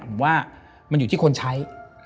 ผมว่ามันอยู่ที่คนใช้